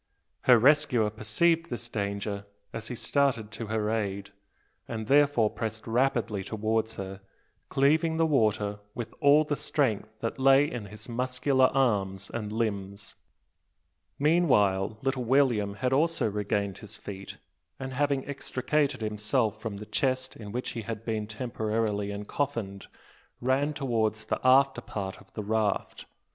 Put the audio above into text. Her rescuer perceived this danger as he started to her aid; and therefore pressed rapidly towards her, cleaving the water with all the strength that lay in his muscular arm and limbs. Meanwhile little William had also regained his feet; and, having extricated himself from the chest in which he had been temporarily encoffined, ran towards the after part of the raft.